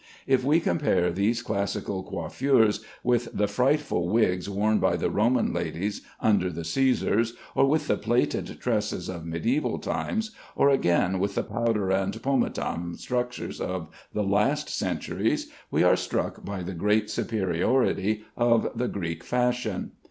If we compare these classical coiffures with the frightful wigs worn by the Roman ladies under the Cæsars, or with the plaited tresses of mediæval times, or again with the powder and pomatum structures of the last century, we are struck by the great superiority of the Greek fashion.